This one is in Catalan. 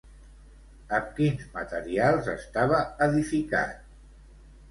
Amb quins materials estava edificat?